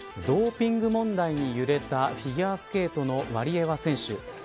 ドーピング問題に揺れたフィギュアスケートのワリエワ選手。